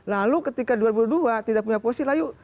lalu ketika dua ribu dua tidak punya posisi layu